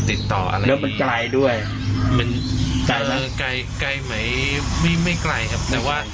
ติดต่อแล้วป็นใกล่ด้วยเหมือนจะใกล้ไหมไม่ไม่ไกลครับแต่ว่า